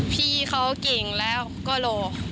พี่เขาเก่งแล้วก็หล่อ